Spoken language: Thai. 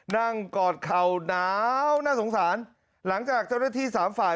กอดเข่าหนาวน่าสงสารหลังจากเจ้าหน้าที่สามฝ่าย